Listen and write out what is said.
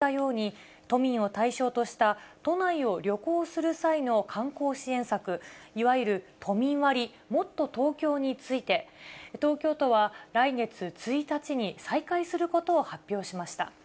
そして先ほどのＶＴＲでもあったように、都民を対象とした、都内を旅行する際の観光支援策、いわゆる都民割、もっとＴｏｋｙｏについて、東京都は来月１日に再開することを発表しました。